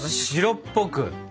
白っぽく？